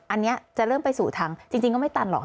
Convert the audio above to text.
อันนี้จะเริ่มไปสู่ทางจริงก็ไม่ตันหรอก